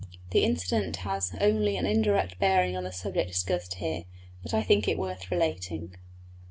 The incident has only an indirect bearing on the subject discussed here, but I think it is worth relating.